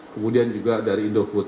kemudian juga dari indofood